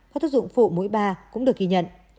và thuốc dụng phụ mũi ba cũng được ghi nhận